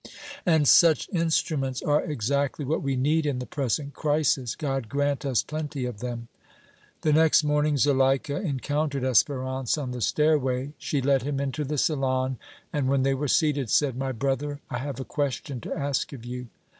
"And such instruments are exactly what we need in the present crisis. God grant us plenty of them!" The next morning Zuleika encountered Espérance on the stairway; she led him into the salon, and, when they were seated, said: "My brother, I have a question to ask of you."